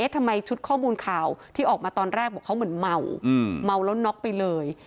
ทำไมชุดข้อมูลข่าวที่ออกมาตอนแรกบอกเขาเหมือนเมาเมาแล้วน็อกไปเลย